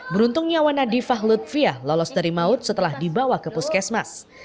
beruntung nyawa nadifah lutfiah lolos dari maut setelah dibawa ke puskesmas